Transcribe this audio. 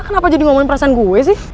kenapa jadi ngomongin perasaan gue sih